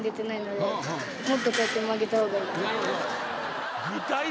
もっとこうやって曲げた方が。